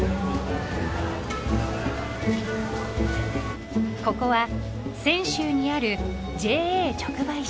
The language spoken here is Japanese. ここは泉州にあるＪＡ直売所こーたりな。